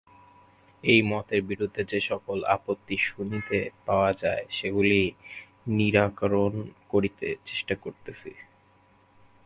এই মতের বিরুদ্ধে যে-সকল আপত্তি শুনিতে পাওয়া যায়, সেগুলি নিরাকরণ করিতে চেষ্টা করিতেছি।